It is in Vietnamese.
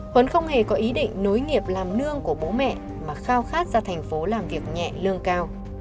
huấn không hề có ý định nối nghiệp làm nương của bố mẹ mà khao khát ra thành phố làm việc nhẹ lương cao